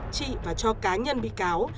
chị và cho cá nhân bị cáo